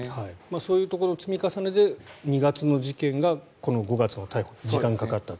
そういうところの積み重ねで２月の事件がこの５月の逮捕時間がかかったと。